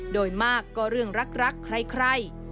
โดยมากก็เรื่องรักใคร